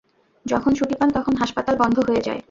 যখন ছুটি পান, তখন হাসপাতাল বন্ধ হয়ে যায়।